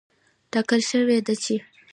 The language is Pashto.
ټاکل شوې ده چې